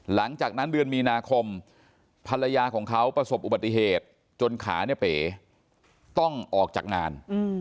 หลังจากนั้นเดือนมีนาคมภรรยาของเขาประสบอุบัติเหตุจนขาเนี่ยเป๋ต้องออกจากงาน